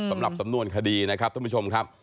สำหรับสำนวนคดีนะครับท่านผู้ชมครับ